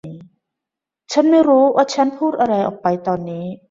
ฉันไม่รู้ว่าฉันพูดอะไรออกไปตอนนี้